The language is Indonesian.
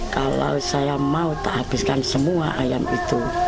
kalau saya mau tak habiskan semua ayam itu